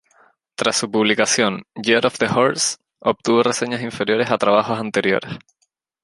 Tras su publicación, "Year of the Horse" obtuvo reseñas inferiores a trabajos anteriores.